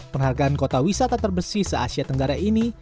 penghargaan kota wisata terbersih se asia tenggara ini